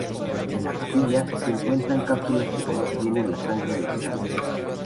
En la capilla, se encuentran cápsulas que contienen la sangre del santo.